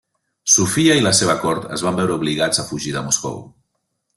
Sofia i la seva cort es van veure obligats a fugir de Moscou.